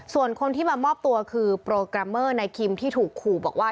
ส่วนคนที่มามอบตัวคือโปรแกรมเมอร์ในคิมที่ถูกขู่บอกว่า